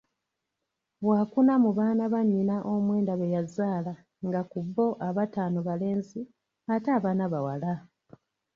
Waakuna mu baana bannyina omwenda beyazaala nga ku bbo abataano balenzi ate abana bawala